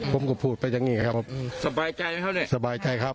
ผมก็พูดไปอย่างนี้ครับผมสบายใจไหมครับเนี่ยสบายใจครับ